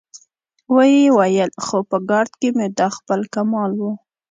ويې ويل: خو په ګارد کې مې دا خپل کمال و.